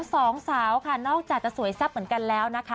สองสาวค่ะนอกจากจะสวยแซ่บเหมือนกันแล้วนะคะ